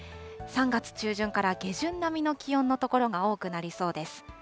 ３月中旬から下旬並みの気温の所が多くなりそうです。